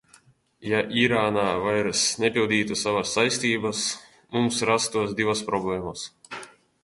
Ja Irāna vairs nepildītu savas saistības, mums rastos divas problēmas.